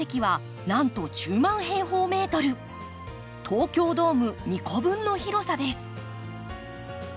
東京ドーム２個分の広さです。